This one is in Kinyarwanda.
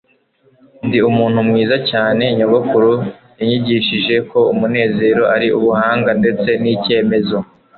ndi umuntu mwiza cyane. nyogokuru yanyigishije ko umunezero ari ubuhanga ndetse n'icyemezo